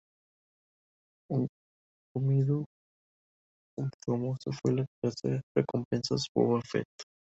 Un "comido" famoso fue el caza recompensas Boba Fett.